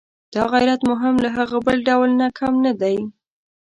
دا غیرت مو هم له هغه بل ډول نه کم نه دی.